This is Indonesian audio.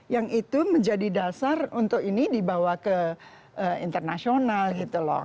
yang itu menjadi dasar untuk ini dibawa ke internasional gitu loh